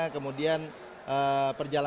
kemudian perjalanannya berangkatnya jam berapa gitu